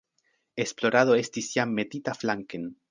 Esplorado estis jam metita flanken.